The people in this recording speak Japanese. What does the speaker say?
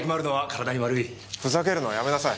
ふざけるのはやめなさい。